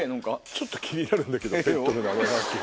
ちょっと気になるんだけどペットの名前ランキング。